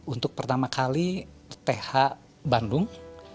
untuk pertama kali th bandung